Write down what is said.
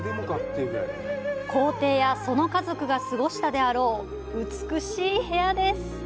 皇帝やその家族が過ごしたであろう美しい部屋です。